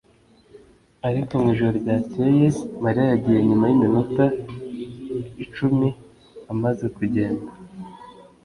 ariko mwijoro ryakeye Mariya yagiye nyuma yiminota icumi amaze kugenda.